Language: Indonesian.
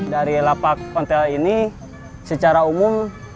dari lapak pantel ini secara umum